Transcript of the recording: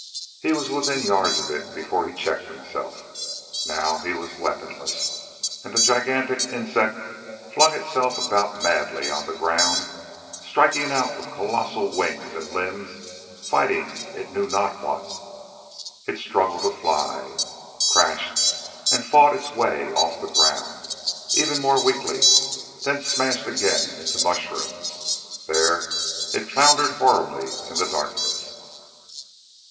He was within yards of it before he checked himself. Now he was weaponless, and the gigantic insect flung itself about madly on the ground, striking out with colossal wings and limbs, fighting it knew not what. It struggled to fly, crashed, and fought its way off the ground ever more weakly then smashed again into mushrooms. There it floundered horribly in the darkness.